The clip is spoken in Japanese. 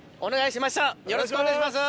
よろしくお願いします。